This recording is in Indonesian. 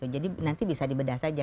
jadi nanti bisa dibedah saja